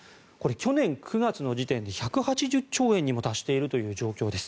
去年９月の時点で１８０兆円にも達しているという状況です。